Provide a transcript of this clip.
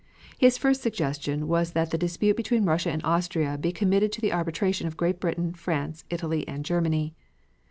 His first suggestion was that the dispute between Russia and Austria be committed to the arbitration of Great Britain, France, Italy and Germany.